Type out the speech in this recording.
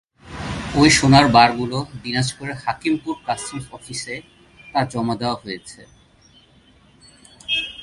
ওই সোনার বারগুলো দিনাজপুরের হাকিমপুর কাস্টমস অফিসে তা জমা দেওয়া হয়েছে।